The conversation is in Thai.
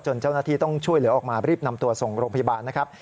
เจ้าหน้าที่ต้องช่วยเหลือออกมารีบนำตัวส่งโรงพยาบาลนะครับ